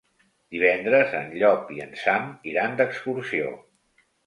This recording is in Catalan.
Divendres en Llop i en Sam iran d'excursió.